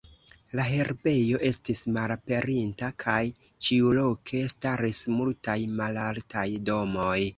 La herbejo estis malaperinta, kaj ĉiuloke staris multaj malaltaj domoj.